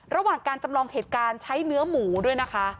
ระหว่างการจำลองเหตุการณ์ใช้เนื้อหมูด้วยนะคะ